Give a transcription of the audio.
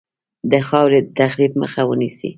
د خاورې د تخریب مخه ونیسي.